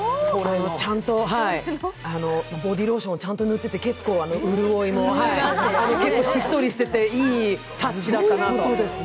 ちゃんとボディーローションを塗ってて、結構潤いもあってしっとりしてていいタッチだったなと。